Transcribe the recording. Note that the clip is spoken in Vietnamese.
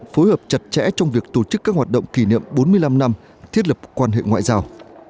phối hợp chặt chẽ trong việc tổ chức các hoạt động kỷ niệm bốn mươi năm năm thiết lập quan hệ ngoại giao